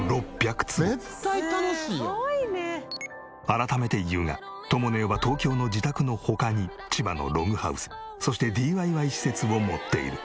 改めて言うがとも姉は東京の自宅の他に千葉のログハウスそしてＤＩＹ施設を持っている。